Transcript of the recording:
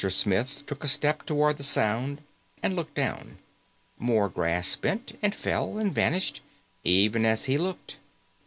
Smith took a step toward the sound and looked down. More grass bent, and fell, and vanished, even as he looked.